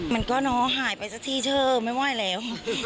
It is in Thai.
มันก็หายไปสักทีเชิงไม่ว่าอะไรแล้ว